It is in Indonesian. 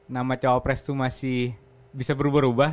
nama cowok prestu masih bisa berubah ubah